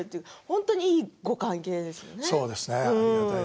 すごくいいご関係ですね。